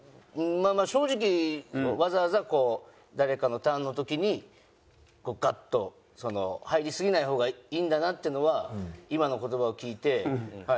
正直わざわざこう誰かのターンの時にこうガッと入りすぎない方がいいんだなっていうのは今の言葉を聞いてはい。